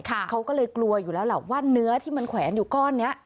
เขาก็เลยกลัวอยู่แล้วล่ะว่าเนื้อที่มันแขวนอยู่ก้อนนี้